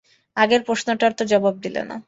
আগের প্রশ্নটার তো জবাব দিলে না।